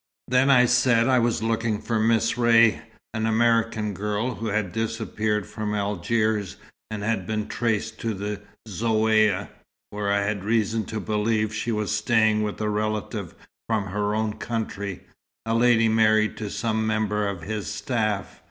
Then I said I was looking for a Miss Ray, an American girl who had disappeared from Algiers, and had been traced to the Zaouïa, where I had reason to believe she was staying with a relative from her own country, a lady married to some member of his staff.